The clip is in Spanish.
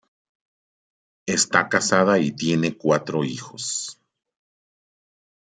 Está casada y tiene cuatro hijos.